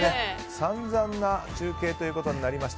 散々な中継となりました。